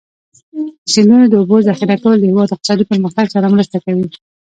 د سیندونو د اوبو ذخیره کول د هېواد اقتصادي پرمختګ سره مرسته کوي.